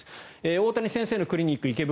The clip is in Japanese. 大谷先生のクリニック池袋